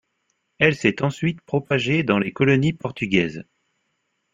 Elle s'est ensuite propagée dans les colonies portugaises.